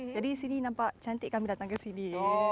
jadi sini nampak cantik kami datang ke sini